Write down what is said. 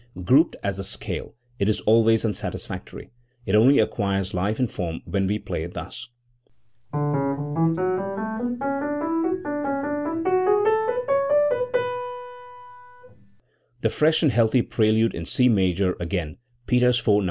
Grouped as a scale it is always unsatisfactory; it only acquires life and form when we play it thus: The fresh and healthy prelude in C major, again, (Peters IV, No.